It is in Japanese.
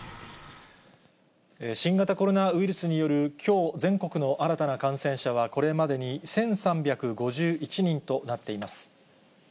新型コロナウイルスによるきょう全国の新たな感染者は、これまでに１３５１人となっています。